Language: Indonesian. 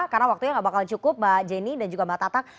karena waktunya gak bakal cukup mbak jenny dan juga mbak tatang